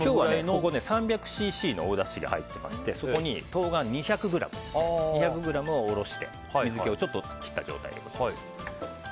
今日は３００ｃｃのおだしが入ってましてそこに冬瓜２００ｇをおろして水気をちょっと切った状態です。